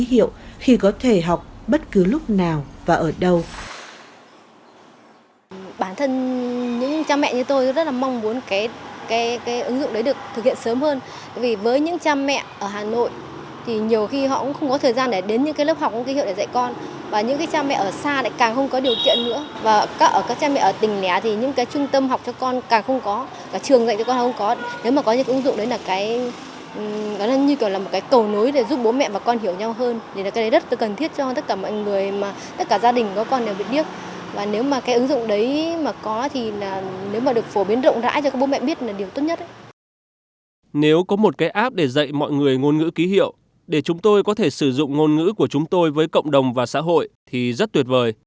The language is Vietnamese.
nếu có một cái app để dạy mọi người ngôn ngữ ký hiệu để chúng tôi có thể sử dụng ngôn ngữ của chúng tôi với cộng đồng và xã hội thì rất tuyệt vời